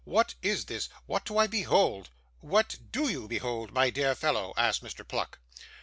'What is this! what do I behold!' 'What DO you behold, my dear fellow?' asked Mr. Pluck.